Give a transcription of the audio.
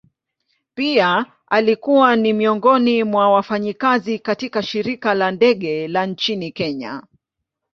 Pia alikuwa ni miongoni mwa wafanyakazi katika shirika la ndege la nchini kenya.